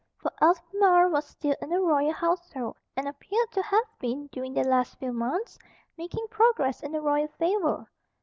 For Albemarle was still in the royal household, and appeared to have been, during the last few months, making progress in the royal favour.